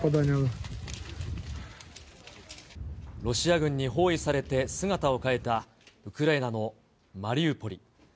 ロシア軍に包囲されて姿を変えたウクライナのマリウポリ。